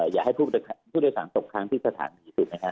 อยากให้ผู้โดยสารตกทั้งที่สถานี